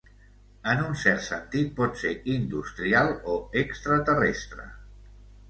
En un cert sentit, pot ser industrial o extraterrestre.